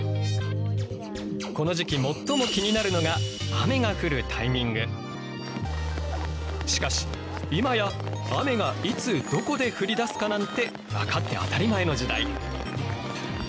この時期最も気になるのがしかし今や雨がいつどこで降りだすかなんて分かって当たり前の時代。